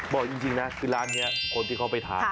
บอกจริงนะคือร้านนี้คนที่เขาไปทาน